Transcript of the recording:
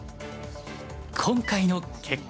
今回の結果は？